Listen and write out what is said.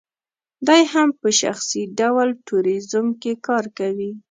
دی هم په شخصي ډول ټوریزم کې کار کوي.